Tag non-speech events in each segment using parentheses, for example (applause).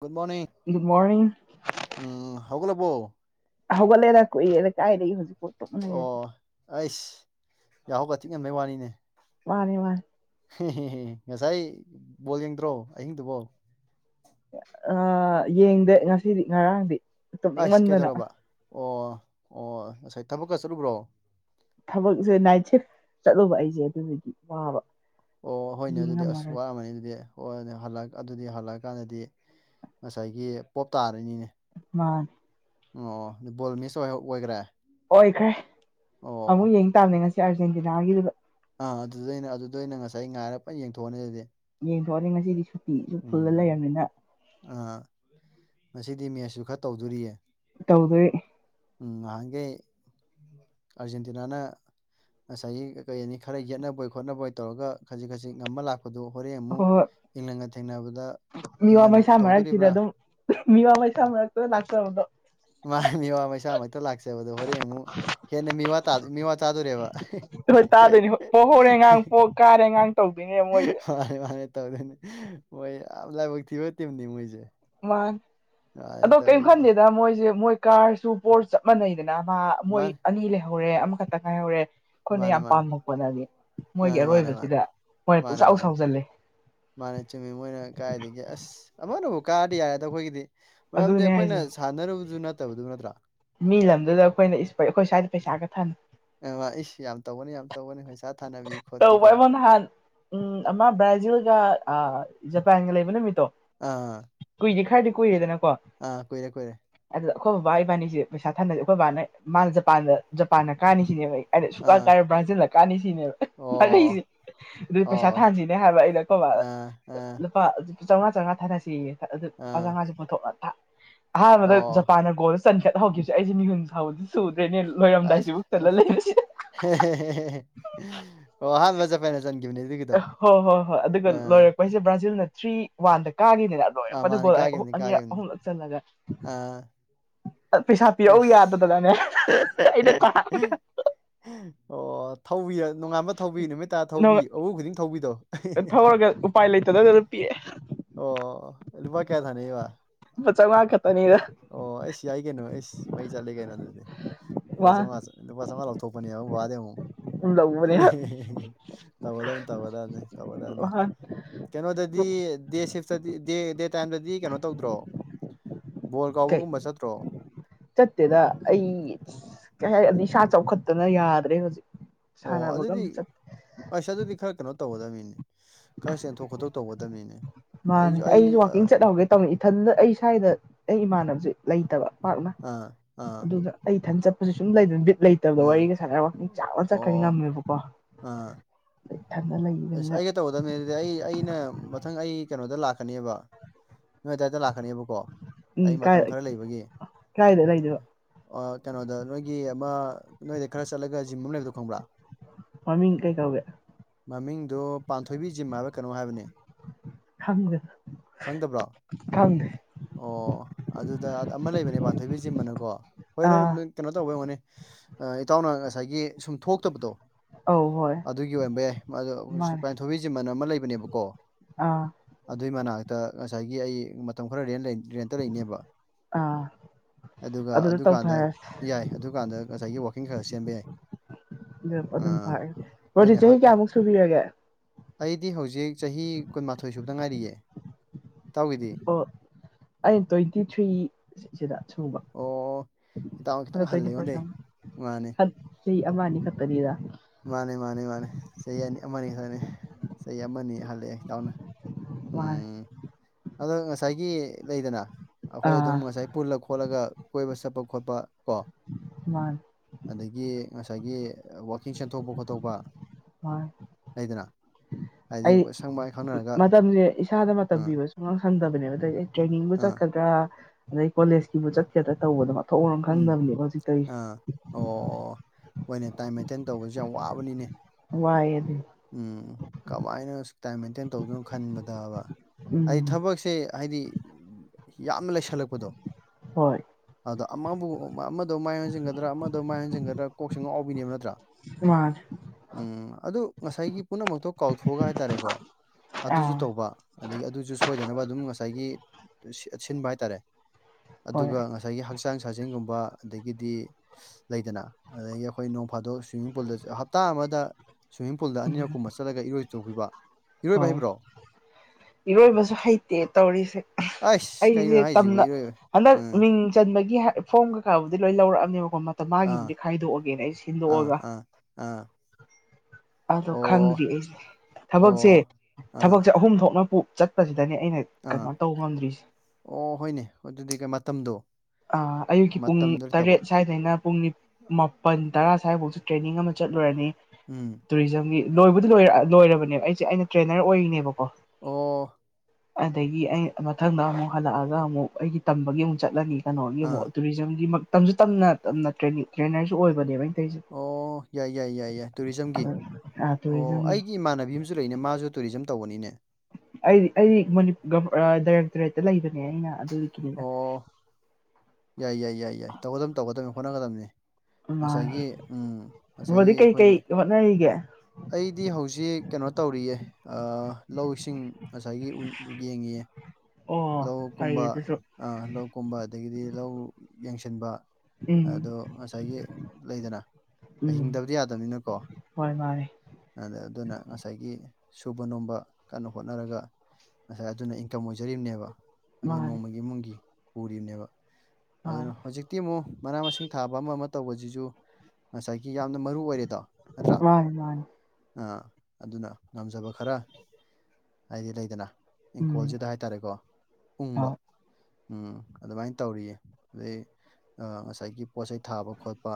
good morning good morning ꯎꯝ ꯍꯧꯒꯂꯕꯣ ꯍꯧꯒꯂꯦꯅ ꯀꯨꯏꯔꯦꯗ ꯀꯥꯏ ꯂꯩ ꯍꯧꯖꯤꯛ ꯑꯣ ꯑꯩꯁ ꯌꯥꯍꯧꯒ ꯊꯤ ꯉꯕꯩ ꯋꯥꯅꯤꯅꯦ ꯋꯥꯅꯦ ꯋꯥꯅꯦ ꯉꯁꯥꯏ ꯕꯣꯜ ꯌꯦꯡꯗ꯭ꯔꯣ ꯑꯍꯤꯡꯗꯨꯕꯣ ꯑ ꯌꯦꯡꯗꯦ ꯉꯁꯤꯗꯤ ꯉꯔꯥꯡꯗꯤ ꯑꯩꯁ ꯇꯨꯝꯅꯤꯡꯃꯟꯗꯅ ꯀꯩꯗꯧꯔꯕ ꯑꯣ ꯑꯣ ꯉꯁꯥꯏ ꯊꯕꯛꯀ ꯆꯠꯂꯨꯕ꯭ꯔꯣ ꯊꯕꯛꯁꯦ ꯅꯥꯏꯠ ꯁꯤꯐ ꯆꯠꯂꯨꯕ ꯑꯩꯁꯦ ꯑꯗꯨꯗꯤ ꯋꯥꯕ ꯑꯣ ꯍꯣꯏꯅꯦ ꯑꯗꯨꯗꯤ ꯑꯁ ꯌꯦꯡꯉꯝꯃꯔꯣꯏ ꯋꯥꯔꯝꯃꯅꯤ ꯑꯗꯨꯗꯤ ꯍꯣꯏ ꯑꯗꯨ ꯍꯜꯂꯛ ꯑꯗꯨꯗꯤ ꯍꯜꯂꯛꯑꯀꯥꯟꯗꯗꯤ ꯉꯁꯥꯏꯒꯤ ꯄꯣꯞ ꯇꯥꯔꯅꯤꯅꯦ ꯃꯥ ꯑꯣ ꯕꯣꯜ ꯃꯤꯁ ꯑꯣꯏꯒꯔꯥ ꯑꯣꯏꯈ꯭ꯔꯦ ꯑꯃꯨꯛ ꯌꯦꯡ ꯇꯥꯕꯅꯦ ꯉꯁꯤ ꯑꯥꯔꯖꯦꯟꯇꯤꯅꯥꯒꯤꯗꯨꯗ ꯑꯥ ꯑꯗꯨꯗꯩꯅ ꯑꯗꯨꯗꯩꯅ ꯉꯁꯥꯏ ꯉꯥꯏꯔ ꯄꯨ ꯌꯦꯡꯊꯣꯛꯑꯅꯤ ꯑꯗꯨꯗꯤ ꯌꯦꯡꯊꯣꯛꯑꯅꯤ ꯉꯁꯤꯗꯤ ꯁꯨꯇꯤꯁꯨ ꯐꯨꯜꯂ ꯂꯩꯔꯕꯅꯤꯅ ꯑ ꯉꯁꯤꯗꯤ ꯃꯦꯁꯁꯨ ꯈꯔ ꯇꯧꯗꯣꯔꯤꯌꯦ ꯇꯧꯗꯨꯔꯤ ꯎꯝ ꯅꯍꯥꯟꯈꯩ ꯑꯥꯔꯖꯦꯟꯇꯤꯅꯥꯅ ꯉꯁꯥꯏꯒꯤ ꯀꯩ ꯍꯥꯏꯅꯤ ꯈꯔ ꯌꯦꯠꯅꯕꯣꯏ ꯈꯣꯠꯅꯕꯣꯏ ꯇꯧꯔꯒ ꯈꯖꯤꯛ ꯈꯖꯤꯛ ꯉꯝꯕ ꯂꯥꯛꯄ ꯗꯣ ꯍꯣꯔꯦꯟ ꯑꯃꯨꯛ ꯍꯣꯏ ꯍꯣꯏ ꯍꯤꯡꯒ ꯊꯦꯡꯅꯕꯗ ꯍꯤꯡꯅ ꯇꯧꯗꯣꯔꯤꯕ꯭ꯔꯥ ꯃꯤ ꯋꯥ ꯃꯥꯏꯁ ꯑꯃꯔ ꯅꯥꯛꯆꯔꯗꯣ ꯃꯥ ꯃꯤꯋꯥ ꯃꯩꯁꯥꯃꯛꯇ ꯂꯥꯛꯆꯕꯗꯣ ꯍꯣꯔꯦꯟ ꯑꯃꯨꯛ ꯍꯦꯟꯅ ꯃꯤꯋꯥ ꯃꯤꯋꯥ ꯆꯥꯗꯣꯔꯦꯕ ꯍꯣꯏ ꯇꯥꯗꯣꯏꯅꯤ ꯍꯣꯏ ꯄꯣꯛ ꯍꯧꯧꯔꯦꯒꯥꯡ ꯄꯣꯛ ꯀꯥꯔꯦ ꯉꯥꯡ ꯇꯧꯗꯣꯏꯅꯦꯕ ꯃꯣꯏꯁꯦ ꯃꯥꯅꯦ ꯃꯥꯅꯦ ꯇꯧꯗꯅꯤ ꯃꯣꯏ ꯌꯥꯝ ꯂꯥꯏꯕꯛ ꯊꯤꯕꯅꯤ ꯃꯣꯏꯁꯦ ꯋꯥꯟ ꯃꯥꯅꯦ ꯑꯗꯣ ꯀꯔꯤꯝ ꯇꯧꯔꯤꯁꯦ ꯈꯟꯗꯦꯗ ꯃꯣꯏꯁꯦ ꯃꯣꯏ ꯀꯥꯔꯁꯨ ꯄꯣꯔꯠ ꯆꯞ ꯃꯥꯟꯅꯩꯗꯅ ꯃꯥ ꯃꯣꯏ ꯃꯥꯅꯦ ꯑꯅꯤ ꯂꯩꯍꯧꯔꯦ ꯑꯃꯈꯛꯇ ꯉꯥꯏꯍꯧꯔꯦ ꯑꯩꯈꯣꯏꯅ ꯃꯥꯅꯦ ꯌꯥꯝ ꯃꯥꯅꯦ ꯄꯥꯝꯃꯛꯄꯗꯗꯤ ꯃꯣꯏꯒꯤ ꯃꯥꯅꯦ ꯃꯥꯅꯦ ꯃꯥꯅꯦ ꯑꯔꯣꯏꯕꯁꯤꯗ ꯃꯣꯔ ꯄꯨꯡꯆꯥꯎ ꯁꯥꯎꯖꯜꯂꯦ ꯃꯥꯅ ꯆꯨꯝꯃꯤ ꯃꯣꯏꯅ ꯀꯥꯏꯗꯒꯤ ꯑꯁ ꯑꯃꯅꯕꯨ ꯀꯥꯔꯗꯤ ꯌꯥꯔꯦꯗꯣ ꯑꯩꯈꯣꯏꯒꯤꯗꯤ ꯃꯔꯝꯗꯤ ꯑꯗꯨꯅꯦ ꯑꯩꯈꯣꯏꯅ ꯍꯥꯏꯁꯦ ꯁꯥꯅꯔꯨꯕꯗꯨ ꯅꯠꯇꯕꯗꯨ ꯅꯠꯇ꯭ꯔꯥ ꯃꯤ ꯂꯝꯗꯨꯗ ꯑꯩꯈꯣꯏꯅ ꯏꯁ ꯑꯩꯈꯣꯏ ꯁ꯭ꯋꯥꯏꯗ ꯄꯩꯁꯥꯒ ꯊꯟ ꯑꯦ ꯏ ꯌꯥꯝ ꯇꯧꯒꯅꯤ ꯌꯥꯝ ꯇꯧꯒꯅꯤ ꯍꯣꯏ ꯆꯥꯠ ꯇꯧꯄꯥꯏ ꯃꯣꯟ ꯍꯥꯟ ꯎꯝ ꯑꯃ ꯕ꯭ꯔꯥꯖꯤꯜꯒ ꯖꯄꯥꯟꯒ ꯂꯩꯕ ꯅꯨꯃꯤꯠꯇꯣ ꯑ ꯀꯨꯏꯗꯦ ꯈꯔꯗꯤ ꯀꯨꯏꯔꯦꯗꯅꯀꯣ ꯑꯥ ꯀꯣꯏꯔꯦ ꯀꯣꯏꯔꯦ ꯑꯗꯨꯗ ꯑꯩꯈꯣꯏ ꯕꯥ ꯏꯕꯥꯅꯤꯁꯦ ꯄꯩꯁꯥ ꯊꯟꯅꯅꯁꯦ ꯑꯩꯈꯣꯏ ꯕꯥꯅ ꯃꯥꯅ ꯖꯄꯥꯟꯗ ꯖꯄꯥꯟꯅ ꯀꯥꯅꯤꯁꯤꯅꯦꯕ ꯑꯩ ꯑꯩꯅ ꯁꯨꯛꯀ ꯑꯥ ꯀꯥꯏꯔ‌ꯣꯏ ꯕ꯭ꯔꯥꯖꯤꯜꯅ ꯀꯥꯅꯤ ꯁꯤꯅꯦꯕ ꯑꯣ ꯃꯔꯩꯁꯦ ꯑꯗꯨꯏ ꯄꯩꯁꯥ ꯑꯣ ꯊꯥꯟꯅꯁꯤꯅꯦ ꯍꯥꯏꯕ ꯑꯩꯅ ꯈ‌ꯣꯏ ꯕꯥꯗ ꯑꯥ ꯑꯥ ꯂꯨꯄꯥ ꯆꯧꯉꯥ ꯆꯧꯉꯥ ꯊꯥꯅꯁꯤꯌꯦ ꯑꯗꯨ ꯂꯨꯄꯥ ꯑꯥ ꯆꯧꯉꯥꯥꯁꯦ ꯄꯣꯊꯣꯛꯑ ꯊꯥ ꯑꯍꯥꯟꯕꯗ ꯑꯣ ꯖꯄꯥꯟꯅ ꯒꯣꯜꯁ‌ꯦ ꯆꯟꯈꯠ ꯍꯧꯈꯤꯕꯁꯦ ꯑꯩꯁꯦ ꯃꯤꯍꯨꯟ ꯁꯥꯎꯟꯁ‌ꯦ ꯁꯨꯗ꯭ꯔꯦꯅꯦ ꯑꯁ ꯂꯣꯏꯔꯝꯗꯥꯏꯁꯤꯕꯨ ꯆꯜꯂ ꯑꯁ ꯂꯩꯔꯁꯦ ꯑꯣ ꯑꯍꯥꯥꯟꯕ ꯖꯥꯄꯥꯟꯅ ꯆꯟꯒꯈꯤꯕꯅꯦ ꯗꯨꯒꯤ ꯑ ꯍꯣꯏ ꯍꯣꯏ ꯍꯣꯏ ꯑꯗꯨꯒ ꯂꯣꯏꯔꯛꯄꯩꯁꯤ ꯕ꯭ꯔꯥꯖꯤꯜꯅ ꯊ꯭ꯔꯤ ꯋꯥꯟꯗ ꯀꯥꯈꯤꯗꯅ ꯑꯥ ꯂꯣꯏꯔꯛꯄꯗ ꯃꯥꯅꯦ ꯒꯣꯜ ꯑꯍꯨ ꯀꯥꯈꯤꯕꯅꯤ ꯑꯅꯤꯔꯛ ꯀꯥꯈꯤꯕꯅꯤ ꯑꯍꯨꯝꯂꯛ ꯆꯜꯂꯒ ꯑꯥ ꯄꯩꯁꯥ ꯄꯤꯔꯛꯎ ꯑꯩꯁ ꯌꯥꯗꯗꯅꯅꯦ ꯑꯩꯅ ꯀꯥꯔꯒ (unintelligible) ꯑꯣ ꯊꯧꯕꯤꯔ ꯅꯣꯡꯉꯥꯟꯕ ꯊꯧꯕꯤ ꯅꯨꯃꯤꯠ ꯇꯥꯔ ꯊꯧꯕꯤ ꯑꯋꯨ ꯈꯨꯗꯤꯡ ꯊꯧꯕꯤꯗꯣ ꯊꯧꯔꯒ ꯎꯄꯥꯏ ꯂꯩꯇꯗꯅ ꯄꯤꯔ‌ꯦꯛ ꯑꯣ ꯂꯨꯄꯥ ꯀꯌꯥ ꯊꯥꯅꯩꯕ ꯂꯨꯄꯥ ꯆꯥꯝꯃꯉꯥ ꯈꯛꯇꯅꯤꯗ (inaudible) ꯑꯣ ꯑꯩꯁ ꯌꯥꯏ ꯀꯩꯅꯣ ꯑꯦꯁ ꯃꯩ ꯆꯠꯂ‌ꯦ ꯀꯩꯅ‌ꯣ ꯑꯗꯨꯗꯤ ꯂꯨꯄꯥ ꯃꯥ ꯆꯧꯉꯥ ꯂꯨꯄꯥ ꯆꯧꯉꯥ ꯂꯧꯊꯣꯛꯄꯅ‌ꯦꯕ ꯕꯥꯕꯥꯗꯩ ꯑꯃꯨꯛ ꯂꯧꯕꯅꯦ (unintelligible) ꯇꯧꯒꯗꯝꯅꯤ ꯇꯧꯒꯗꯝꯅꯤ ꯇꯧꯒꯗꯝꯅꯤ ꯃꯥ ꯀꯩꯅꯣꯗꯗꯤ ꯗꯦꯁꯤꯐꯇꯗꯤ ꯗ‌ꯦ ꯗꯦ ꯇꯥꯏꯝꯗꯗꯤ ꯀꯩꯅꯣ ꯇꯧꯗ꯭ꯔꯣ ꯕꯣꯜ ꯀꯩ ꯀꯥꯎꯕꯒꯨꯝꯕ ꯆꯠꯇ꯭ꯔꯣ ꯆꯠꯇꯦꯗ ꯑꯩ ꯀꯩ ꯍꯥꯏ ꯏꯁꯥ ꯆꯥꯎꯈꯠꯇꯅ ꯌꯥꯗ꯭ꯔꯦ ꯍꯧꯖꯤꯛ ꯑꯣ ꯁꯥꯟꯅꯕꯒ ꯑꯗꯨꯗꯤ ꯑꯝꯇ ꯆꯠ ꯑꯁ ꯑꯗꯨꯗꯤ ꯈꯔ ꯀꯩꯅꯣ ꯇꯧꯒꯗꯝꯅꯤꯅ‌ꯦ ꯈꯔ ꯆꯦꯟꯊꯣꯛ ꯈꯣꯠꯇꯣꯛ ꯇꯧꯒꯗꯝꯅꯤꯅ‌ꯦ ꯃꯥꯅꯦ ꯑꯩꯁꯨ ꯋꯥꯥꯛꯀꯤꯡ ꯆꯠ ꯍꯧꯒꯦ ꯇꯧꯅ‌ꯦ ꯏꯊꯟꯗ ꯑꯩ ꯁꯥꯏꯗ ꯑꯩ ꯏꯃꯥꯟꯅꯕꯁ‌ꯦ ꯂꯩꯇꯕ ꯄꯥꯛꯅ ꯑꯥ ꯑꯥ ꯑꯗꯨꯗ ꯑꯩ ꯏꯊꯟ ꯆꯠꯄꯁꯨ ꯁꯨꯝ ꯂꯩꯗꯅ ꯕꯤꯠ ꯂꯩꯇꯕ ꯋꯥꯔꯤꯒ ꯁꯥꯟꯅꯔ ꯋꯥꯥꯛꯀꯤꯡ ꯆꯥꯎꯅ ꯆꯠꯈ꯭ꯔꯗꯤ ꯑꯣ ꯉꯝꯃꯦꯕꯀꯣ ꯑꯥ ꯏꯊꯟꯗ ꯑꯁ ꯂꯩꯕꯅꯤꯅ ꯑꯩꯒ ꯇꯧꯒꯗꯕꯅꯦ ꯗꯨꯗꯤ ꯑꯩ ꯑꯩꯅ ꯃꯊꯪ ꯑꯩ ꯀꯩꯅꯣꯗ ꯂꯥꯛꯀꯅꯦꯕ ꯅꯣꯏ ꯑꯗꯥꯏꯗ ꯂꯥꯛꯀꯅꯦꯕꯀꯣ ꯑꯩ ꯎꯝ ꯀꯥꯏ ꯃꯇꯝ ꯈꯔ ꯂꯩꯕꯒꯤ ꯀꯥꯏꯗ ꯂꯩꯗꯣꯏꯕ ꯑꯥ ꯀꯩꯅꯣꯗ ꯅꯣꯏꯒꯤ ꯑꯃ ꯅꯣꯏꯗ ꯈꯔ ꯆꯠꯂꯒ ꯖꯤꯝ ꯑꯃ ꯂꯩꯕꯗꯣ ꯈꯪꯕ꯭ꯔꯥ ꯃꯃꯤꯡ ꯀꯩ ꯀꯧꯒ‌ꯦ ꯃꯃꯤꯡꯗ‌ꯣ ꯄꯥꯟꯊꯣꯏꯕꯤ ꯖꯤꯝ ꯍꯥꯏꯕꯔ ꯀꯩꯅꯣ ꯍꯥꯏꯕꯅꯦ ꯈꯪꯗ‌ꯦ ꯈꯪꯗꯕ꯭ꯔꯣ (inaudible) ꯑꯣ ꯑꯗꯨꯗ ꯑꯃ ꯂꯩꯕꯅꯦ ꯄꯥꯟꯊꯣꯏꯕꯤ ꯖꯤꯝ ꯑꯅꯀꯣ ꯍꯣꯏ ꯅꯣꯏ ꯑꯥ ꯀꯩꯅꯣ ꯇꯧꯕꯩ ꯑꯣꯏꯔꯝꯒꯅꯤ ꯑ ꯏꯇꯥꯎꯅ ꯉꯁꯥꯏꯒꯤ ꯁꯨꯝ ꯊꯣꯛꯇꯕꯗꯣ ꯑꯧ ꯍꯣꯏ ꯑꯗꯨꯒꯤ (unintelligible) ꯃꯥꯅꯦ ꯄꯥꯟꯊꯣꯏꯕꯤ ꯍꯥꯏꯅ ꯑꯃ ꯂꯩꯕꯅꯦꯕꯀꯣ ꯑꯥ ꯑꯗꯨꯏ ꯃꯅꯥꯛꯇ ꯉꯁꯥꯏꯒꯤ ꯑꯩ ꯃꯇꯝ ꯈꯔ ꯔꯦꯟ ꯔ‌ꯦꯟꯇ ꯂꯩꯅꯦꯕ ꯑꯥ ꯑꯗꯨꯒ ꯑꯗꯨꯗ ꯑꯗꯨꯀꯥꯟꯗ ꯇꯧꯊꯔꯁꯦ ꯌꯥꯏ ꯑꯗꯨꯀꯥꯟꯗ ꯉꯁꯥꯏꯒꯤ ꯋꯥꯛꯀꯤꯡ ꯈꯔ ꯆ‌ꯦꯟꯕ ꯌꯥꯏ ꯑꯗꯨ ꯑꯗꯨꯝ ꯑꯥ ꯐꯔꯦ ꯕꯔꯣꯗꯤ ꯍꯣꯏꯅꯦ ꯆꯍꯤ ꯍ- ꯀꯌꯥꯃꯨꯛ ꯁꯨꯕꯤꯔꯒꯦ ꯑꯩꯗꯤ ꯍꯧꯖꯤꯛ ꯆꯍꯤ ꯀꯨꯟꯃꯥꯊꯣꯏ ꯁꯨꯕꯗ ꯉꯥꯏꯔꯤꯌꯦ ꯏꯇꯥꯎꯒꯤꯗꯤ ꯑꯣ ꯑꯩꯅ ꯇ꯭ꯋꯦꯟꯇꯤ ꯊ꯭ꯔꯤ ꯁꯤꯗ ꯁꯨꯕ ꯑꯣ ꯏꯇꯥꯎꯅ ꯈꯤꯇꯪ ꯍꯜꯂꯦ ꯑꯩꯉꯣꯟꯗꯩ ꯃꯥꯅꯦ (inaudible) ꯑꯃꯅꯤ ꯈꯠꯇꯅꯤꯗ ꯃꯥꯅꯦ ꯃꯥꯅꯦ ꯃꯥꯅꯦ ꯆꯍꯤ ꯑꯅꯤ ꯑꯃꯅꯤ ꯈꯛꯅ‌ꯦ ꯆꯍꯤ ꯑꯃꯅꯤ ꯍꯜꯂ‌ꯦ ꯏꯇꯥꯎꯅ ꯃꯥꯅꯦ ꯎꯝ ꯑꯗꯣ ꯉꯁꯥꯏꯒꯤ ꯂꯩꯗꯅ ꯑꯩꯈꯣꯏ ꯑꯗꯨꯝ ꯑꯥ ꯉꯁꯥꯏ ꯄꯨꯜꯂ ꯈꯣꯠꯂꯒ ꯀꯣꯏꯕ ꯆꯠꯄ ꯈꯣꯠꯄ ꯀꯣ ꯃꯥꯟ ꯑꯗꯒꯤ ꯉꯁꯥꯏꯒꯤ ꯋꯥꯀꯤꯡ ꯆꯦꯟꯊꯣꯛꯄ ꯈꯣꯠꯇꯣꯛꯄ ꯃꯥꯟ ꯂꯩꯗꯅ ꯍꯥꯏꯗꯤ ꯑꯩ ꯁꯪ ꯃꯥꯏ ꯈꯪꯅꯔꯒ ꯃꯇꯝꯖ‌ꯦ ꯏꯁꯥꯗ ꯃꯇꯝ ꯑꯥ ꯄꯤꯕꯁ ꯁꯨꯡꯁꯪ ꯁꯪꯗꯕꯅꯦꯕ ꯑꯗꯒꯤ ꯑꯩ ꯇ꯭ꯔꯦꯅꯤꯡꯕꯨ ꯑꯥ ꯆꯠꯀꯗ꯭ꯔꯥ ꯑꯗꯩ ꯀꯣꯂꯦꯖꯀꯤꯕꯨ ꯆꯠ ꯁꯦꯠꯇ ꯇꯧꯕꯗ ꯃꯊꯣꯛꯝ ꯎꯝ ꯈꯪꯗꯕꯅꯦꯕ ꯍꯧꯖꯤꯛꯇꯩꯁꯦ ꯑꯣ ꯃꯣꯏ ꯑꯣꯏꯅ ꯇꯥꯏꯝ ꯃꯦꯟꯇꯦꯟ ꯇꯧꯕꯁꯨ ꯌꯥꯝ ꯋꯥꯕꯅꯤꯅꯦ ꯋꯥꯏꯗꯤ ꯎꯝ ꯀꯃꯥꯏꯅ ꯇꯥꯏꯝ ꯃꯦꯟꯇꯦꯟ ꯇꯧꯗꯣꯏꯅꯣ ꯈꯟꯕꯗꯕ ꯍꯥꯏꯗꯤ ꯎꯝ ꯊꯕꯛꯁꯦ ꯍꯥꯏꯗꯤ ꯌꯥꯝꯅ ꯂꯩꯁꯜꯂꯛꯄꯗꯣ ꯍꯣꯏ ꯑꯗꯣ ꯑꯃꯕꯨ ꯑꯃꯗ ꯃꯥꯏ ꯍꯟꯖꯤꯟꯒꯗ꯭ꯔꯥ ꯑꯃꯗ ꯃꯥꯏ ꯍꯟꯖꯤꯟꯒꯗ꯭ꯔꯥ ꯀꯣꯛꯁ ꯉꯛꯥꯎꯕꯤꯅꯦꯕ ꯅꯠꯇ꯭ꯔꯥ ꯃꯥꯅꯤ ꯎꯝ ꯑꯗꯨ ꯉꯁꯥꯏꯒꯤ ꯄꯨꯝꯅꯃꯛꯇꯣ ꯀꯥꯎꯊꯣꯛꯑꯒ ꯍꯥꯏꯇꯥꯔꯦꯀꯣ ꯑꯗꯨꯁꯨ ꯑꯥ ꯇꯧꯕ ꯑꯗꯒꯤ ꯑꯗꯨꯁꯨ ꯁꯣꯏꯗꯅꯕ ꯑꯗꯨꯝ ꯉꯁꯥꯏꯒꯤ ꯁꯤꯟꯕ ꯍꯥꯏꯇꯥꯔꯦ ꯍꯣꯏ ꯑꯗꯨꯒ ꯉꯥꯏ ꯉꯁꯥꯏꯒꯤ ꯍꯛꯆꯥꯡ ꯁꯥꯖꯦꯟꯒꯨꯝꯕ ꯑꯗꯒꯤꯗꯤ ꯂꯩꯗꯅ ꯑꯗꯒꯤ ꯑꯩꯈꯣꯏ ꯅꯣꯡ ꯐꯥꯗꯣꯛ ꯁ꯭ꯋꯤꯝꯃꯤꯡ ꯄꯨꯜꯗ ꯍꯞꯇꯥ ꯑꯃꯗ ꯁ꯭ꯋꯤꯝꯃꯤꯡ ꯄꯨꯜꯗ ꯑꯅꯤꯔꯛ ꯎꯝ ꯀꯨꯝꯕ ꯆꯠꯂꯒ ꯏꯔꯣꯏ ꯆꯧꯕꯕ ꯏꯔꯣꯏꯕ ꯍꯣꯏ ꯍꯥꯏꯕ꯭ꯔꯣ ꯏꯔꯣꯏꯕꯁꯨ ꯍꯩꯇꯦ ꯇꯧꯔꯤꯁꯦ ꯑꯩꯁ ꯀꯩꯅꯣ ꯑꯩꯁꯦ ꯍꯥꯏꯁꯤꯕꯨ ꯇꯝꯅ ꯏꯔꯣꯏꯕ ꯍꯟꯗꯛ ꯎꯝ ꯃꯤꯡ ꯆꯟꯕꯒꯤ ꯐꯣꯝ ꯀꯩꯀꯥꯕꯨꯗꯤ ꯂꯣꯏ ꯂꯧꯔꯛꯑꯅꯦꯕꯀꯣ ꯑꯥ ꯃꯥꯒꯤꯕꯨꯗꯤ ꯈꯥꯏꯗꯣꯛꯑꯒꯦꯅ ꯑꯩ ꯑꯥ ꯁꯤꯟꯗꯣꯛꯑꯒ ꯑꯥ ꯑꯥ ꯑꯗꯣ ꯑꯣ ꯈꯪꯗ꯭ꯔꯤ ꯑꯩꯁꯦ ꯊꯕꯛꯁꯦ ꯑꯣ ꯑꯥ ꯊꯕꯛꯁꯦ ꯑꯍꯨꯝ ꯊꯣꯛꯅ ꯆꯠꯄꯁꯤꯗꯅꯦ ꯑꯩꯅ ꯑꯥ ꯀꯩꯅꯣ ꯇꯧꯕ ꯉꯝꯗ꯭ꯔꯤꯁꯦ ꯑꯣ ꯍꯣꯏꯅꯦ ꯑꯗꯨꯗꯤ ꯀꯩ ꯃꯇꯝꯗꯣ ꯑ ꯑꯌꯨꯛꯀꯤ ꯄꯨꯡ ꯃꯇꯝꯗꯣ ꯂꯩꯇꯕ ꯇꯔꯦꯠ ꯁ꯭ꯋꯥꯏꯗꯩꯅ ꯄꯨꯡ ꯃꯥꯄꯜ ꯇꯔꯥ ꯁ꯭ꯋꯥꯏꯐꯧꯁꯨ ꯇ꯭ꯔꯦꯅꯤꯡ ꯑꯃ ꯆꯠꯂꯨꯔꯅꯤ ꯎꯝ ꯇꯨꯔꯤꯖꯝꯒꯤ ꯂꯣꯏꯕꯨꯗꯤ ꯂꯣꯏꯔꯕꯅꯦꯕ ꯑꯩꯁꯦ ꯑꯩꯅ ꯇ꯭ꯔꯦꯅꯔ ꯑꯣꯏꯔꯤꯅꯦꯕꯀꯣ ꯑꯣ ꯑꯗꯒꯤ ꯑꯩ ꯃꯊꯪꯗ ꯑꯃꯨꯛ ꯍꯜꯂꯛꯑꯒ ꯑꯃꯨꯛ ꯑꯩꯒꯤ ꯇꯝꯕꯒꯤ ꯑꯃꯨꯛ ꯆꯠꯂꯒ ꯀꯩꯅꯣꯒꯤ ꯑꯥ ꯇꯨꯔꯤꯖꯝꯒꯤ ꯇꯝꯁꯨ ꯇꯝꯅ ꯇꯅꯅꯤꯡ ꯇ꯭ꯔꯦꯅꯔꯁꯨ ꯑꯣꯏꯕꯅꯦꯕꯩꯅ ꯑꯣ ꯌꯥꯏ ꯌꯥꯏ ꯌꯥꯏ ꯌꯥꯏ ꯇꯨꯔꯤꯖꯝꯒꯤ ꯇꯧꯔꯤꯁꯦ ꯑꯣ ꯇꯨꯔꯤꯖꯝꯒꯤ ꯑꯩꯒꯤ ꯏꯃꯥꯟꯅꯕꯤ ꯁꯨ ꯂꯩꯅꯦ ꯃꯥꯁꯨ ꯇꯨꯔꯤꯖꯝ ꯇꯧꯕꯅꯤꯅꯦ ꯑꯩꯗꯤ ꯑꯩꯗꯤ ꯗꯥꯏꯔꯦꯛꯇꯣꯔꯦꯠꯇ ꯂꯩꯕꯅꯦ ꯑꯩꯅ ꯑꯗꯨꯒꯤ ꯀꯅꯤꯗ ꯑꯣ ꯌꯥꯏ ꯌꯥꯏ ꯌꯥꯏ ꯌꯥꯏ ꯇꯧꯒꯗꯕ ꯇꯧꯒꯗꯕꯅꯤ ꯍꯣꯠꯅꯒꯗꯕꯅꯤ ꯃꯥꯅꯦ ꯉꯁꯥꯏꯒꯤ ꯎꯝ ꯉꯁꯥꯏꯒꯤ ꯕ꯭ꯔꯣꯗꯤ ꯑꯩꯈꯣꯏꯒꯤ ꯀꯩꯀꯩ ꯍꯣꯠꯅꯔꯤꯒꯦ ꯑꯩꯗꯤ ꯍꯧꯖꯤꯛ ꯀꯩꯅꯣ ꯇꯧꯔꯤꯌꯦ ꯂꯧꯁꯤꯡ ꯉꯁꯥꯏꯒꯤ ꯌꯦꯡꯉꯌꯦ ꯑꯣ ꯂꯧ ꯐꯩꯌꯦ ꯀꯨꯝꯕ ꯑꯗꯨꯁꯨ ꯑ ꯂꯧ ꯀꯨꯝꯕ ꯑꯗꯒꯤꯗꯤ ꯂꯧ ꯌꯦꯡꯁꯤꯟꯕ ꯎꯝ ꯑꯗꯣ ꯉꯁꯥꯏꯒꯤ ꯂꯩꯗꯅ ꯎꯝ ꯍꯤꯡꯗꯕꯗꯤ ꯌꯥꯗꯕꯅꯤꯅꯀꯣ ꯍꯣꯏ ꯃꯥꯅꯦ ꯑꯗ ꯑꯗꯨꯅ ꯉꯁꯥꯏꯒꯤ ꯁꯨꯕ ꯅꯣꯝꯕ ꯀꯟꯅ ꯍꯣꯠꯅꯔꯒ ꯉꯁꯥꯏ ꯑꯗꯨꯅ ꯏꯟꯀꯝ ꯑꯣꯏꯖꯔꯤꯕꯅꯦꯕ ꯃꯥꯅꯦ ꯑꯗꯨꯣꯡꯃꯨꯡꯒꯤ ꯄꯨꯅꯦꯕ ꯑꯗꯨ ꯃꯥꯅꯦ ꯍꯧ ꯇꯤ ꯑꯃꯣ ꯃꯅꯥ ꯃꯁꯤꯡ ꯊꯥꯕ ꯑꯃ ꯑꯃ ꯇꯧꯕꯁꯤꯁꯨ ꯉꯁꯥꯏꯒꯤ ꯌꯥꯝꯅ ꯃꯔꯨ ꯑꯣꯏꯔꯦꯗꯣ ꯅꯠꯇ꯭ꯔꯥ (unintelligible) ꯑꯥ ꯑꯗꯨꯅ ꯉꯝꯖꯕ ꯈꯔ ꯍꯥꯏꯗꯤ ꯂꯩꯗꯅ ꯎꯝ ꯏꯪꯈꯣꯜꯁꯤꯗ ꯍꯥꯏꯇꯥꯔꯦꯀꯣ ꯄꯨꯡꯕ ꯍꯣꯏ ꯎꯝ ꯑꯗꯨꯃꯥꯏꯅ ꯇꯧꯔꯤꯌꯦ ꯑꯗꯩ ꯑ ꯉꯁꯥꯏꯒꯤ ꯄꯣꯠꯆꯩ ꯊꯥꯕ ꯈꯣꯠꯄ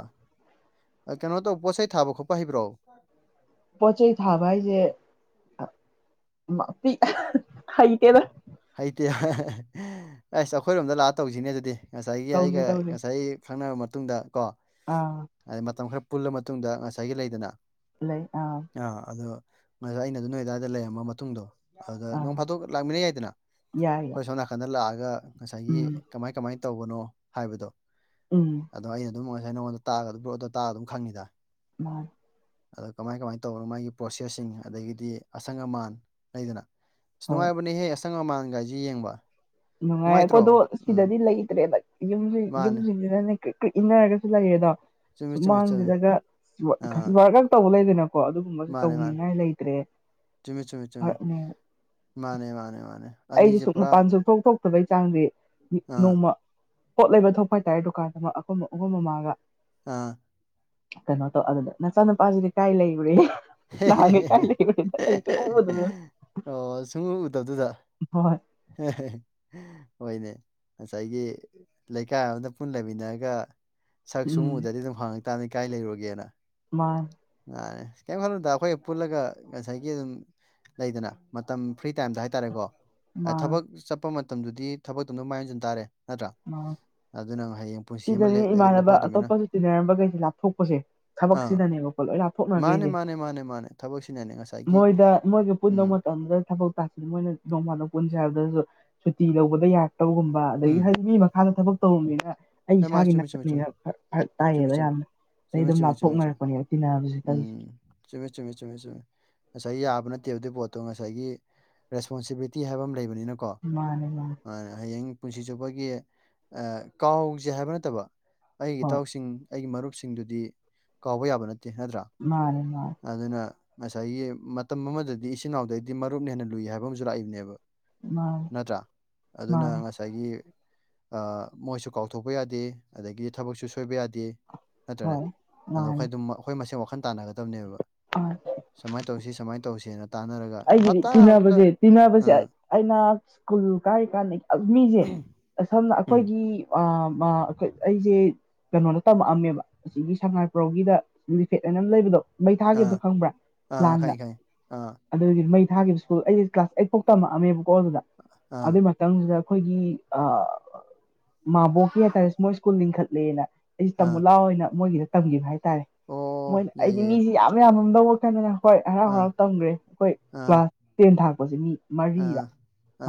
ꯀꯩꯅꯣ ꯇꯧꯕ ꯄꯣꯠꯆꯩ ꯊꯥꯕ ꯈꯣꯠꯄ ꯍꯩꯕ꯭ꯔꯣ ꯄꯣꯠ ꯆꯩꯩ ꯊꯥꯕ ꯍꯥꯏꯁꯦ ꯍꯩꯇꯦꯗ ꯍꯩꯇꯦ ꯑꯁ ꯑꯩꯈꯣꯏꯔꯣꯝꯗ ꯂꯥꯛꯑ ꯇꯧꯁꯤꯅꯦ ꯑꯗꯨꯗꯤ ꯉꯁꯥꯏꯒꯤ ꯇꯧꯁꯦ ꯑꯩꯒ ꯇꯧꯁꯦ ꯉꯁꯥꯏ ꯈꯪꯔꯕ ꯃꯇꯨꯡꯗ ꯀꯣ ꯑꯥ ꯑꯗꯩ ꯃꯇꯝ ꯈꯔ ꯄꯨꯜꯂ ꯃꯇꯨꯡꯗ ꯉꯁꯥꯏꯒꯤ ꯂꯩꯗꯅ ꯂꯩ ꯑꯥ ꯑꯥ ꯑꯗꯣ ꯉꯁꯥꯏ ꯑꯩꯅ ꯑꯗꯨ ꯅꯣꯏ ꯑꯗꯨꯋꯥꯏꯗ ꯂꯩꯔꯝꯃ ꯃꯇꯨꯡꯗꯣ ꯑꯗꯨꯗ ꯅꯣꯡ ꯑꯥ ꯐꯥꯠꯇꯣꯛ ꯂꯥꯛꯃꯤꯟꯅꯩ ꯌꯥꯏꯗꯅ ꯌꯥꯏ ꯌꯥꯏ ꯑꯩꯈꯣꯏ ꯁꯣꯝ ꯅꯥꯀꯟꯗ ꯂꯥꯛꯑꯒ ꯉꯁꯥꯏꯒꯤ ꯎꯝ ꯀꯃꯥꯏ ꯀꯃꯥꯏ ꯇꯧꯕꯅꯣ ꯍꯥꯏꯕꯗꯣ ꯎꯝ ꯑꯗ ꯑꯩꯅ ꯑꯗꯨꯝ ꯉꯁꯥꯏ ꯅꯉꯣꯟꯗ ꯇꯥꯛꯒ ꯑꯗꯨ ꯕꯣꯠꯇꯣ ꯇꯥꯛꯑ ꯑꯗꯨꯝ ꯈꯪꯉꯤꯗ ꯃꯥ ꯑꯗꯣ ꯀꯃꯥꯏ ꯀꯃꯥꯏꯅ ꯇꯧꯕꯅꯣ ꯃꯥꯒꯤ ꯄ꯭ꯔꯣꯁꯦꯁꯁꯤꯡ ꯑꯗꯒꯤꯗꯤ ꯑꯁꯪ ꯑꯃꯥꯟ ꯂꯩꯗꯅ ꯑꯁ ꯍꯣꯏ ꯅꯨꯡꯉꯥꯏꯕꯅꯦꯍꯦ ꯑꯁꯪ ꯃꯃꯥꯟꯒꯥꯏꯁꯦ ꯌꯦꯡꯕ ꯅꯨꯡꯉꯥꯏ ꯅꯨꯡꯉꯥꯏꯇ꯭ꯔꯣ ꯑꯩꯀꯣꯗꯣ ꯎꯝ ꯁꯤꯗꯗꯤ ꯂꯩꯇ꯭ꯔꯦꯗ ꯌꯨꯝ ꯃꯥꯅꯦ ꯌꯨꯝꯁꯤꯡꯁꯤꯅ ꯀ ꯀꯩ ꯏꯟꯅꯔꯒꯁꯨ ꯂꯩꯌꯦꯗꯣ ꯁꯨ ꯆꯨꯝꯃꯤ ꯆꯨꯝꯃꯤ ꯆꯨꯝꯃꯤ ꯃꯥꯡꯁꯤꯂꯒ ꯑꯥ ꯋꯥꯔ ꯉꯛ ꯇꯧꯕ ꯂꯩꯗꯣꯏꯅ ꯀꯣ ꯑꯗꯨꯒꯨꯝꯕꯁꯨ ꯃꯥꯅꯦ ꯃꯥꯅꯦ ꯇꯧꯅꯤꯡꯉꯥꯏ ꯂꯩꯇ꯭ꯔꯦ ꯆꯨꯝꯃꯤ ꯆꯨꯝꯃꯤ ꯆꯨꯝꯃꯤ ꯐꯔꯛꯅꯦ ꯃꯥꯅꯦ ꯃꯥꯅꯦ ꯃꯥꯅꯦ ꯑꯩꯁꯤꯦ ꯑꯅꯤꯁꯦ ꯁꯨꯛ ꯄꯨꯔꯥ ꯃꯄꯥꯟ ꯁꯨ ꯊꯣꯛ ꯊꯣꯛꯇꯕꯩ ꯆꯥꯡꯗꯤ ꯑꯥ ꯅꯣꯡꯃ ꯄꯣꯠ ꯂꯩꯕ ꯊꯣꯛꯄ ꯍꯥꯏꯇꯥꯔꯦ ꯗꯨꯀꯥꯟꯗ ꯑꯃ ꯑꯈꯣꯏ ꯑꯍꯨꯝ ꯃꯃꯥꯒ ꯑꯥ ꯀꯩꯅꯣ ꯇꯧ ꯑꯗꯨꯗ ꯅꯆꯥꯅꯨꯄꯥꯁꯤꯗꯤ ꯀꯥꯏ ꯂꯩꯈ꯭ꯔꯦ ꯅꯍꯥꯟꯒꯩ ꯀꯥꯏꯂꯩꯔꯨꯔꯦꯑꯩꯁꯦ ꯎꯕꯗꯨꯗ ꯑꯣ ꯁꯨꯡꯎ ꯎꯗꯕꯗꯨꯗ ꯍꯣꯏ ꯍꯣꯏꯅꯦ ꯉꯁꯥꯏꯒꯤ ꯂꯩꯀꯥꯏ ꯑꯃꯗ ꯄꯨꯟ ꯂꯩꯃꯤꯟꯅꯔꯒ ꯁꯛ ꯎꯝ ꯁꯨꯡꯉꯨꯗꯗꯤ ꯑꯗꯨꯝ ꯍꯥꯡꯉꯛꯇꯥꯕꯅꯤ ꯀꯥꯏ ꯂꯩꯔꯨꯒꯦꯅ ꯃꯥ ꯑꯔꯦ ꯀꯩꯝ ꯈꯜꯗ ꯑꯩꯈꯣꯏꯦꯛ ꯄꯨꯜꯂꯒ ꯉꯁꯥꯏꯒꯤ ꯑꯗꯨꯝ ꯂꯩꯗꯅ ꯃꯇꯝ ꯐ꯭ꯔꯤ ꯇꯥꯏꯝꯗ ꯍꯥꯏꯇꯥꯔꯦꯀꯣ ꯃꯥꯅꯤ ꯊꯕꯛ ꯆꯠꯄ ꯃꯇꯝꯗꯨꯗꯤ ꯊꯕꯛꯇꯣꯗ ꯃꯥꯏꯍꯟꯁꯤꯟ ꯇꯥꯔꯦ ꯅꯠꯇ꯭ꯔꯥ ꯑꯗꯨꯅ ꯍꯌꯦꯡ ꯄꯨꯟꯁꯤ ꯑꯃ ꯇꯤꯟꯅꯔꯤ ꯏꯃꯥꯟꯅꯕ ꯂꯦꯞꯍꯧꯗꯣꯏꯅꯤꯅ ꯑꯇꯣꯞꯄꯁꯨ ꯇꯤꯟꯅꯔꯝꯕꯈꯩꯁꯦ ꯂꯥꯞꯊꯣꯛꯄꯁꯦ ꯑꯥ ꯊꯕꯛꯁꯤꯗꯅꯦꯕꯀꯣ ꯂꯣꯏ ꯃꯥꯅꯦ ꯂꯥꯞꯊꯣꯛꯅꯈ꯭ꯔꯤꯁꯦ ꯃꯥꯅꯦ ꯃꯥꯅꯦ ꯃꯥꯅꯦ ꯊꯕꯛꯁꯤꯅꯅꯦ ꯉꯁꯥꯏꯒꯤ ꯎꯝ ꯑꯗꯨꯗ ꯊꯕꯛ ꯇꯥꯁꯤ ꯃꯣꯏꯅ ꯅꯣꯡꯃꯜꯗ ꯄꯨꯟꯁꯦ ꯍꯥꯏꯕꯗꯁꯨ ꯁꯨꯇꯤ ꯂꯧꯕꯗ ꯌꯥꯔꯛꯇꯕꯒꯨꯝꯕ ꯎꯝ ꯑꯗꯒꯤ ꯃꯤ ꯃꯈꯥꯗ ꯊꯕꯛ ꯇꯧꯔꯝꯅꯤꯅ ꯑꯩ ꯑꯦ ꯃꯥ ꯏꯁꯥꯒꯤ ꯆꯨꯝꯃꯤ ꯆꯨꯝꯃꯤ ꯅꯥꯠꯇꯅꯤꯅ ꯆꯨꯝꯃꯤ ꯆꯨꯝꯃꯤ ꯇꯥꯏꯌꯦꯕ ꯆꯨꯝꯃꯤ ꯌꯥꯝꯅ ꯑꯩ ꯆꯨꯝꯃꯤ ꯑꯗꯨꯝ ꯂꯥꯞꯊꯣꯛꯅꯔꯛꯄꯅꯦ ꯇꯤꯟꯅꯁ ꯀꯔꯤꯁꯦ ꯆꯃꯦ ꯆꯨꯝꯃꯦ ꯆꯃꯦ ꯆꯨꯝꯃꯦ ꯉꯁꯥꯏ ꯌꯥꯕ ꯅꯠꯇꯦꯕ ꯑꯗꯨ ꯄꯣꯠꯇꯣ ꯉꯁꯥꯏꯒꯤ ꯔꯦꯁꯄꯣꯟꯁꯤꯕꯤꯂꯤꯇꯤ ꯍꯥꯏꯕ ꯑꯃ ꯂꯩꯕꯅꯤꯅ ꯀꯣ ꯃꯥꯅꯦ ꯃꯥꯅꯦ ꯍꯌꯦꯡ ꯄꯨꯟꯁꯤ ꯆꯨꯞꯄꯒꯤ ꯀꯥꯎ ꯍꯧꯖꯤꯛ ꯍꯥꯏꯕ ꯅꯠꯇꯕ ꯑꯩꯒꯤ ꯍꯣꯏ ꯏꯇꯥꯎꯁꯤꯡ ꯑꯩꯒꯤ ꯃꯔꯨꯞꯁꯤꯡꯗꯨꯗꯤ ꯀꯥꯎꯕ ꯌꯥꯕ ꯅꯠꯇꯦ ꯅꯠꯇ꯭ꯔꯥ ꯃꯥꯅꯦ ꯃꯥ ꯑꯗꯨꯅ ꯉꯁꯥꯏꯒꯤ ꯃꯇꯝ ꯑꯃꯗꯗꯤ ꯏꯆꯤꯟ ꯏꯅꯥꯎꯗꯩꯗꯤ ꯃꯔꯨꯞꯅ ꯍꯦꯟꯅ ꯂꯨꯏ ꯍꯥꯏꯕ ꯑꯃꯁꯨ ꯂꯥꯛꯏꯕꯅꯦꯕ ꯃꯥꯅꯦ ꯅꯠꯇ꯭ꯔꯥ ꯃꯥꯅꯦ ꯑꯗꯨꯅ ꯉꯁꯥꯏꯒꯤ ꯃꯣꯏꯁꯨ ꯀꯥꯎ ꯄꯨꯊꯣꯛꯄ ꯌꯥꯗꯦ ꯑꯗꯒꯤ ꯊꯕꯛꯁꯨ ꯁꯣꯏꯕ ꯌꯥꯗꯦ ꯅꯠꯇ꯭ꯔꯅꯦ ꯍꯣꯏ ꯑꯗꯣ ꯃꯥꯅꯦ ꯑꯩꯈꯣꯏ ꯑꯗꯨꯝ ꯑꯩꯈꯣꯏ ꯃꯁꯦꯟ ꯋꯥꯈꯜ ꯇꯥꯟꯅꯒꯗꯕꯅꯦꯕ ꯍꯣꯏ ꯁꯨꯃꯥꯏꯅ ꯇꯧꯁꯤ ꯁꯨꯃꯥꯏꯅ ꯇꯧꯁꯦꯅ ꯇꯥꯟꯅꯔꯒ ꯑꯩꯒꯤꯗꯤ ꯍꯞꯇꯥ ꯑꯃꯗ ꯇꯤꯟꯅꯕꯁꯦ ꯇꯤꯟꯅꯕꯁꯦ ꯑꯥ ꯑꯩꯅ ꯁ꯭ꯀꯨꯜ ꯀꯥꯏꯔꯤꯀꯥꯟꯗ ꯌꯥꯝ ꯃꯤꯁꯦ ꯁꯝꯅ ꯎꯝ ꯑꯩꯈꯣꯏꯒꯤ ꯑꯩꯁꯦ ꯀꯩꯅꯣꯗ ꯇꯝꯃꯛꯑꯝꯃꯦꯕ ꯑꯁꯤꯒꯤ ꯁꯉꯥꯏꯄ꯭ꯔꯧꯒꯤꯗ ꯂꯤꯐꯦꯠ ꯍꯥꯏꯅ ꯑꯃ ꯂꯩꯕꯗꯣ ꯃꯩ ꯊꯥꯈꯤꯕ ꯑꯇ ꯈꯪꯕ꯭ꯔꯥ ꯂꯥꯟꯗ ꯑ ꯑꯗꯨꯗꯤ ꯃꯩ ꯊꯥꯈꯤꯕ ꯁꯨꯜ ꯑꯩꯁꯦ ꯀ꯭ꯂꯥꯁ ꯑꯩꯠ ꯐꯥꯎ ꯇꯝꯃꯛꯑꯃꯦꯕꯀꯣ ꯑꯗꯨꯗ ꯑꯥ ꯑꯗꯨꯒꯤ ꯈꯤꯇꯪꯁꯤꯗ ꯑꯩꯈꯣꯏꯒꯤ ꯑ ꯃꯥꯕꯣꯛꯀꯤ ꯍꯥꯏꯇꯥꯔꯦ ꯃꯣꯏ ꯁ꯭ꯀꯨꯜ ꯂꯤꯡꯈꯠꯂꯦꯅ ꯑꯩꯁꯤꯦ ꯑꯥ ꯇꯝꯃꯨ ꯂꯥꯎꯑꯣꯅ ꯃꯣꯏꯒꯤꯗ ꯇꯝꯈꯤꯕ ꯍꯥꯏꯇꯥꯔꯦ ꯑꯣ ꯃꯣꯏꯅ ꯌꯥꯏ ꯑꯩꯗꯤ ꯌꯥꯏ ꯌꯥꯏ ꯃꯤꯁꯤ ꯌꯥꯝ ꯌꯥꯝ ꯑꯃ ꯂꯧꯔꯛꯇꯗꯅ ꯍꯣꯏ ꯍꯔꯥꯎ ꯑꯥ ꯍꯔꯥꯎ ꯇꯝꯈ꯭ꯔꯦ ꯑꯩꯈꯣꯏ ꯑꯥ ꯀ꯭ꯂꯥꯁ ꯇꯦꯟ ꯊꯥꯛꯄꯁꯦ ꯃꯤ ꯃꯔꯤꯗ ꯑꯥ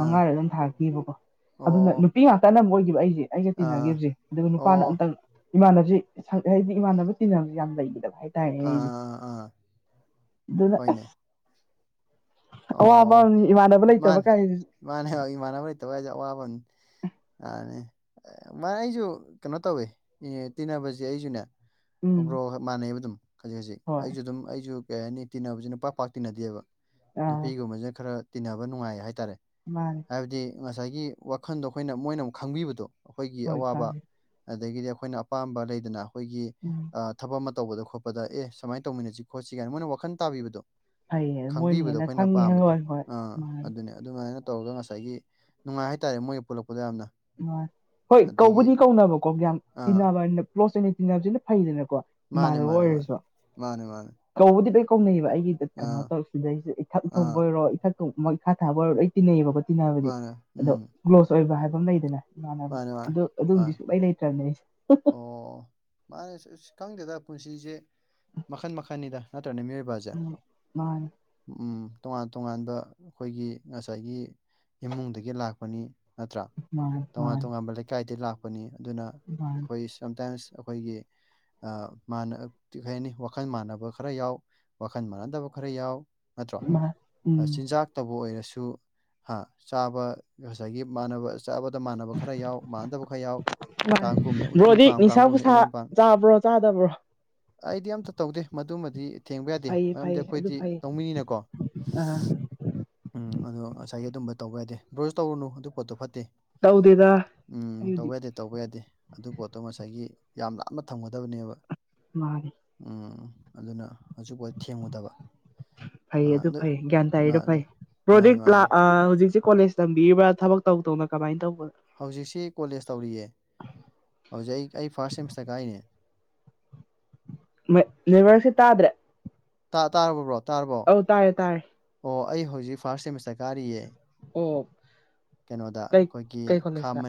ꯑꯥ ꯑꯗꯨꯝ ꯊꯥꯔꯛꯕꯀꯣ ꯑꯗꯨꯅ ꯑꯣ ꯅꯨꯄꯤ ꯉꯇ ꯇꯠꯅꯕ ꯑꯣꯏꯈꯤꯕ ꯑꯩꯁꯦ ꯑꯩꯁꯦ ꯑꯥ ꯇꯤꯟꯅꯈꯤꯕꯁꯦ ꯑꯗꯨꯒ ꯅꯨꯄꯥꯅ ꯑꯣ ꯑꯝꯇꯪ ꯏꯃꯥꯟꯅꯕꯁꯤ ꯍꯥꯏꯗꯤ ꯏꯃꯥꯟꯅꯕ ꯇꯤꯟꯅꯅꯕꯁꯨ ꯌꯥꯝꯅ ꯂꯩꯈꯤꯗꯕ ꯍꯥꯏꯗꯤ ꯇꯔꯦ ꯑꯥ ꯍꯥꯏꯗꯤ ꯑꯥ ꯑꯥ ꯑꯗꯨꯗ ꯍꯣꯏꯅꯦ ꯑꯋꯥꯕꯅꯤ ꯏꯃꯥꯟꯅꯕ ꯂꯩꯇꯕ ꯀꯥꯏ ꯏꯃꯥꯟꯅꯦ ꯏꯃꯥꯟꯅꯕ ꯂꯩꯇꯕ ꯍꯥꯏꯁꯦ ꯑꯋꯥꯕꯅꯤ ꯃꯥ ꯑꯩꯁꯨ ꯀꯩꯅꯣ ꯇꯧꯋꯦ ꯇꯤꯟꯅꯕꯁꯦ ꯎꯝ ꯑꯩꯁꯨꯅꯦꯕ꯭ꯔꯣ ꯃꯥꯟꯅꯩꯑꯕ ꯑꯗꯨꯝ ꯈꯖꯤꯛ ꯈꯖꯤꯛ ꯍꯣꯏ ꯑꯩꯁꯨ ꯑꯗꯨꯝ ꯑꯩꯁꯨ ꯀꯩ ꯍꯥꯏꯅꯤ ꯇꯤꯟꯅꯕꯁꯤꯅ ꯄꯥꯛ ꯄꯥꯛ ꯇꯤꯟꯅꯗꯦꯕ ꯑꯥ ꯅꯨꯄꯤꯒꯨꯝꯕꯁꯦ ꯈꯔ ꯇꯤꯟꯅꯕ ꯅꯨꯡꯉꯥꯏꯌꯦ ꯍꯥꯏꯇꯥꯔꯦ ꯃꯥꯅꯦ ꯍꯥꯏꯕꯗꯤ ꯉꯁꯥꯏꯒꯤ ꯋꯥꯈꯟꯗꯣ ꯑꯩꯈꯣꯏꯅ ꯃꯣꯏꯅ ꯑꯃꯨꯛ ꯈꯪꯕꯤꯕꯗꯣ ꯑꯩꯈꯣꯏꯒꯤ ꯍꯣꯏ ꯑꯋꯥꯕ ꯀꯥꯅꯤ ꯑꯗꯒꯤꯗꯤ ꯑꯩꯈꯣꯏꯅ ꯑꯄꯥꯝꯕ ꯂꯩꯗꯅ ꯑꯩꯈꯣꯏꯒꯤ ꯎꯝ ꯊꯕꯛ ꯑꯃ ꯇꯧꯕꯗ ꯈꯣꯠꯄꯗ ꯑꯦ ꯁꯨꯃꯥꯏꯅ ꯇꯧꯃꯤꯟꯅꯁꯤ ꯈꯣꯠꯁꯤ ꯀꯥꯏꯅ ꯃꯣꯏꯅ ꯋꯥꯈꯟ ꯇꯥꯕꯤꯕꯗꯣ ꯐꯩꯌꯦ ꯃꯣꯏꯅ ꯈꯪꯕꯤꯕꯗꯣ ꯍꯦꯟꯅ ꯈꯪꯉꯦ ꯍꯣꯏ ꯍꯣꯏ ꯃꯥ ꯑꯗꯨ ꯑꯗꯨꯃꯥꯏꯅ ꯇꯧꯔꯒ ꯉꯁꯥꯏꯒꯤ ꯅꯨꯡꯉꯥꯏ ꯍꯥꯏꯇꯥꯔꯦ ꯃꯣꯏꯒ ꯄꯨꯜꯂꯛꯄꯗ ꯌꯥꯝꯅ ꯑ ꯍꯣꯏ ꯑꯗꯒꯤ ꯀꯧꯕꯗꯤ ꯀꯧꯅꯕꯀꯣ ꯌꯥꯝ ꯑꯥ ꯇꯤꯟꯅꯕ ꯄꯣꯁ ꯑꯣꯏꯅ ꯇꯤꯟꯅꯕꯁꯤꯅ ꯐꯩꯗꯅꯀꯣ ꯃꯥꯅꯦ ꯏꯃꯥꯟꯅꯕ ꯃꯥꯅꯦ ꯃꯥꯅꯦ ꯑꯣꯏꯔꯁꯨ ꯃꯥꯅꯦ ꯃꯥꯅꯦ ꯀꯧꯕꯗꯤ ꯂꯣꯏ ꯀꯧꯅꯩꯑꯕ ꯑꯩꯒꯤ ꯀꯩꯅꯣ ꯑꯥ ꯇꯧꯔꯤꯁꯤꯗꯩꯁꯦ ꯏꯊꯛ ꯊꯣꯡꯕ ꯑꯥ ꯑꯣꯏꯔꯣ ꯏꯊꯛ ꯊꯣꯡꯕ ꯏꯈꯥ ꯊꯥꯕ ꯑꯣꯏꯔꯣ ꯑꯩ ꯇꯤꯟꯅꯩꯌꯦꯕꯀꯣ ꯇꯤꯟꯅꯕꯗꯤ ꯃꯥꯅꯦ ꯑꯗꯣ ꯎꯝ ꯀ꯭ꯂꯣꯁ ꯑꯣꯏꯕ ꯍꯥꯏꯕ ꯑꯃ ꯂꯩ ꯃꯥ ꯃꯥꯅꯦ ꯃꯥꯅꯦ ꯑꯗꯨ ꯑꯗꯨꯝꯗꯤ ꯃꯥꯅꯦ ꯁꯨꯂꯩ ꯂꯩꯇ꯭ꯔꯕꯅꯦ ꯑꯩꯁꯦ ꯑꯣ ꯃꯥꯅꯦ ꯑꯁ ꯈꯪꯗꯦꯗ ꯄꯨꯟꯁꯤꯁꯦ ꯃꯈꯟ ꯃꯈꯟꯅꯤꯗ ꯅꯠꯇ꯭ꯔꯅ ꯃꯤꯑꯣꯏꯕꯁꯦ ꯎꯝ ꯃꯥ ꯎ ꯇꯣꯉꯥꯟ ꯇꯣꯉꯥꯟꯕ ꯑꯩꯈꯣꯏꯒꯤ ꯉꯁꯥꯏꯒꯤ ꯏꯃꯨꯡꯗꯒꯤ ꯂꯥꯛꯄꯅꯤ ꯅꯠꯇ꯭ꯔꯥ ꯃꯥꯅꯤ ꯇꯣꯉꯥꯟ ꯇꯣꯉꯥꯟꯕ ꯂꯩꯀꯥꯏꯗꯒꯤ ꯂꯥꯛꯄꯅꯤ ꯑꯗꯨꯅ ꯃꯥꯅꯦ ꯑꯩꯈꯣꯏ ꯁꯝꯇꯥꯏꯝꯁ ꯑꯩꯈꯣꯏꯒꯤ ꯅ ꯀ ꯀ ꯍꯥꯏꯅꯤ ꯋꯥꯈꯜ ꯃꯥꯟꯅꯕ ꯈꯔ ꯌꯥꯎ ꯋꯥꯈꯜ ꯃꯥꯟꯅꯗꯕ ꯈꯔ ꯌꯥꯎ ꯅꯠꯇ꯭ꯔꯣ ꯃꯥꯅꯤ ꯎꯝ ꯆꯤꯟꯖꯥꯛ ꯇꯧꯕ ꯑꯣꯏꯔꯁꯨ ꯍꯥ ꯆꯥꯕ ꯉꯁꯥꯏꯒꯤ ꯃꯥꯟꯅꯕ ꯆꯥꯕꯗ ꯃꯥꯟꯅꯕ ꯈꯔ ꯌꯥꯎ ꯃꯥꯟꯅꯗꯕ ꯈꯔ ꯌꯥꯎ ꯃꯥꯅꯤ ꯀꯥꯡꯒꯨꯝꯅ ꯎꯇꯤ ꯕ꯭ꯔꯣꯗꯤ ꯄꯥꯝ ꯅꯤꯁꯥ ꯀꯥꯡꯒꯨꯝꯅ ꯄꯨꯁꯥ ꯏꯔꯣꯝ ꯄꯥꯝ ꯆꯥꯕ꯭ꯔꯣ ꯆꯥꯗꯕ꯭ꯔꯣ ꯑꯩꯗꯤ ꯑꯝꯇ ꯇꯧꯗꯦ ꯃꯗꯨꯃꯗꯤ ꯊꯦꯡꯕ ꯌꯥꯗꯦ ꯐꯩꯌꯦ ꯃꯔꯝꯗꯤ ꯐꯩꯌꯦ ꯑꯗꯨ ꯑꯩꯈꯣꯏꯗꯤ ꯐꯩ ꯂꯧꯃꯤꯅꯤꯤꯅꯀꯣ ꯑꯥ ꯎꯝ ꯑꯗꯣ ꯉꯁꯥꯏꯒꯤ ꯑꯗꯨꯝꯕ ꯇꯧꯕ ꯌꯥꯗꯦ ꯕ꯭ꯔꯣꯁ ꯇꯧꯔꯨꯅꯨ ꯑꯗꯨ ꯄꯣꯠꯇꯣ ꯐꯠꯇꯦ ꯇꯧꯗꯦꯗ ꯎꯝ ꯑꯩꯕꯨꯗꯤ ꯇꯧꯕ ꯌꯥꯗꯦ ꯇꯧꯕ ꯌꯥꯗꯦ ꯑꯗꯨ ꯄꯣꯠꯇꯣ ꯉꯁꯥꯏꯒꯤ ꯌꯥꯝ ꯂꯥꯞꯅ ꯊꯝꯒꯗꯕꯅꯦꯕ ꯃꯥꯅꯤ ꯎꯝ ꯑꯗꯨꯅ ꯍꯧꯖꯤꯛꯐꯥꯎ ꯊꯦꯡꯉꯨꯗꯕ ꯐꯩ ꯑꯥ ꯑꯗꯨ ꯑꯗꯣ ꯐꯩ ꯒ꯭ꯌꯥꯟ ꯇꯥꯔꯤꯗꯣ ꯐꯩ ꯃꯥꯅꯦ ꯃꯥꯅꯦ ꯄ꯭ꯔꯣꯗꯛ ꯃꯥꯅꯦ ꯍꯧꯖꯤꯛꯁ ꯀꯣꯂꯦꯖ ꯇꯝꯕꯤꯔꯤꯕ꯭ꯔꯥ ꯊꯕꯛ ꯇꯧ ꯇꯧꯅ ꯀꯃꯥꯏꯅ ꯇꯧꯕꯅꯣ ꯍꯧꯖꯤꯛꯁꯤ ꯀꯣꯂꯦꯖ ꯇꯧꯔꯤꯌꯦ ꯍꯧꯖꯤꯛ ꯑꯩ ꯑꯩ ꯐꯥꯔꯁ ꯁꯦꯃꯤꯁꯇꯔ ꯀꯥꯏꯔꯤꯅꯦ ꯦꯚꯔꯁꯦ ꯇꯥꯗ꯭ꯔꯦ ꯥ ꯇꯥꯔꯕꯔꯕ꯭ꯔꯣ ꯇꯥꯔꯕ꯭ꯔꯣ ꯑꯧ ꯇꯥꯔꯦ ꯇꯥꯔꯦ ꯑꯣ ꯑꯩ ꯍꯧꯖꯤꯛ ꯐꯥꯔꯁ ꯁꯦꯃꯤꯁꯇꯔ ꯀꯥꯔꯤꯌꯦ ꯑꯣ ꯀꯩꯅꯣꯗ ꯀꯩ ꯑꯩꯈꯣꯏꯒꯤ ꯀꯩ ꯈꯥ ꯀꯣꯂꯦꯖꯅ